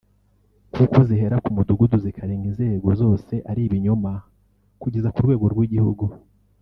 kuko zihera ku mudugu zikarenga inzego zose ari ibinyoma kugeza ku rwego rw’igihugu”